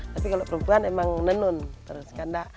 tapi kalau perempuan memang menenun